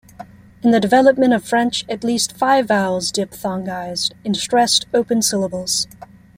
In the development of French, at least five vowels diphthongized in stressed, open syllables.